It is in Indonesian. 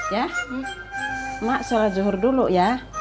ya ma sholat jauhur dulu ya